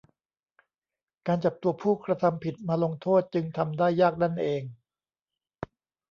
การจับตัวผู้กระทำผิดมาลงโทษจึงทำได้ยากนั่นเอง